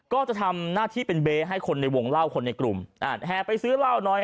ก็จะทำหน้าที่เป็นเบ๊ให้คนในวงเล่าคนในกลุ่มแห่ไปซื้อเหล้าหน่อย